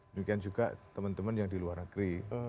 demikian juga teman teman yang di luar negeri